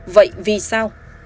vậy vì sao